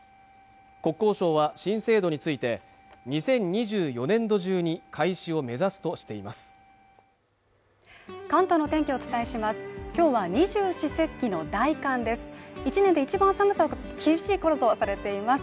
国交省は新制度について２０２４年度中に開始を目指すとしています